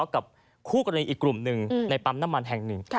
กับคู่กรณีอีกกลุ่มหนึ่งในปั๊มน้ำมันแห่งหนึ่ง